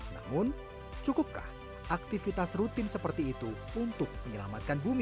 namun cukupkah aktivitas rutin seperti itu untuk menyelamatkan bumi